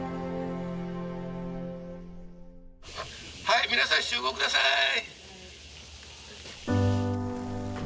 はい皆さん集合下さい。